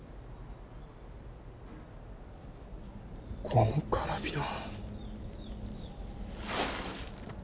このカラビナ。